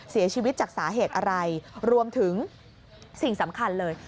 เสียชีวิตจากสาเหตุอะไรรวมถึงสิ่งสำคัญเลย